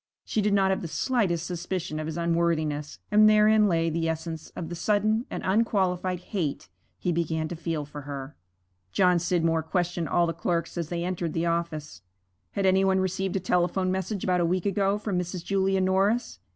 She did not have the slightest suspicion of his unworthiness, and therein lay the essence of the sudden and unqualified hate he began to feel for her. John Scidmore questioned all the clerks as they entered the office. Had any one received a telephone message about a week ago from Mrs. Julia Norris?